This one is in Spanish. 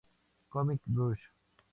Comic Rush